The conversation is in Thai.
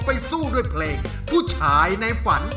ไปสู้ด้วยเพลงผู้ชายในฝัน